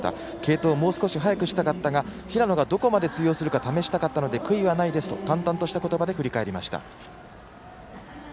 継投もう少し早くしたかったが平野がどこまで通用するか試したかったので悔いはないですと淡々とした言葉で振り返りました。